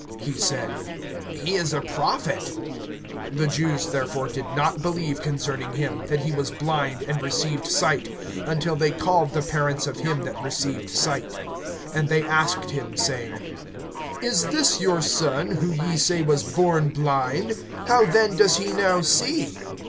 He said: He is a Prophet. (18)The Jews therefore did not believe concerning him, that he was blind and received sight, until they called the parents of him that received sight. (19)And they asked them, saying: Is this your son, who ye say was born blind? How then does he now see?